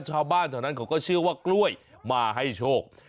ชาวบ้านแถวนั้นเขาก็เชื่อว่ากล้วยมาให้โชค